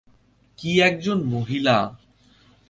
কী একজন মহিলা।